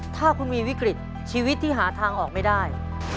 ถ้าคุณมีวิกฤตชีวิตที่หาทางออกไม่ได้